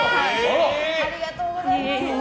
ありがとうございます。